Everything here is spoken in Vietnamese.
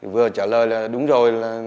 vừa trả lời là đúng rồi